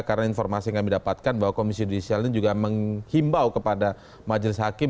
karena informasi yang kami dapatkan bahwa komisi judisial ini juga menghimbau kepada majelis hakim